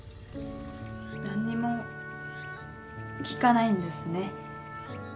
何にも聞かないんですね。